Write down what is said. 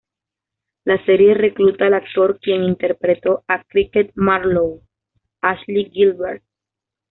La serie recluta al actor quien interpretó a Cricket Marlowe, Ashley Gilbert.